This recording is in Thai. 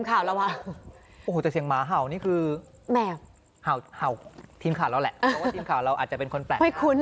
โอ้ว่าทีมข่าวเราเป็นคนประแทน